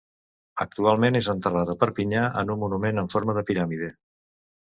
Actualment, és enterrat a Perpinyà en un monument en forma de piràmide.